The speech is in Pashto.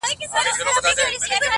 چي زموږ پر خاوره یرغلونه کیږي٫